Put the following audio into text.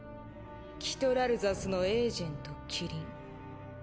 キトラルザスのエージェントキリン。